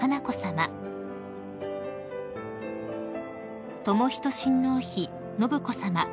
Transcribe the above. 仁親王妃信子さま